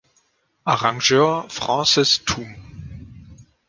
Arrangeur Frances Thumm.